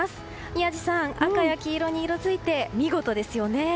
宮司さん、赤や黄色に色づいて見事ですよね。